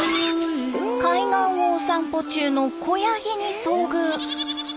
海岸をお散歩中の子ヤギに遭遇。